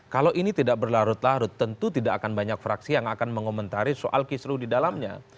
kalau ini tidak berlarut larut tentu tidak akan banyak fraksi yang akan mengomentari soal kisruh di dalamnya